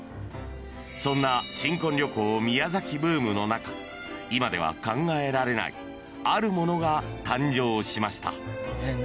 ［そんな新婚旅行宮崎ブームの中今では考えられないあるものが誕生しました］